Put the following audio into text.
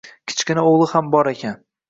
Kichkina oʻgʻli ham bor ekan.